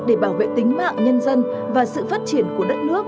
để bảo vệ tính mạng nhân dân và sự phát triển của đất nước